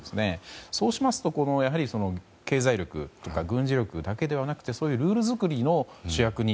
そうしますと、やはり経済力とか軍事力だけでなくそういうルール作りの主役に。